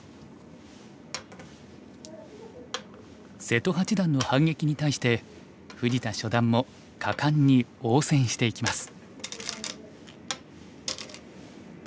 瀬戸八段の反撃に対して藤田初段も果敢に応戦していきます。